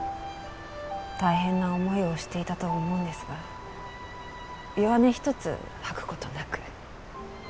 大変な思いをしていたと思うんですが弱音一つ吐く事なく。